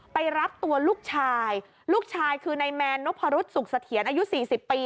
ไปรับตัวลูกชายลูกชายคือนายแมนนพรุษสุขเสถียรอายุ๔๐ปี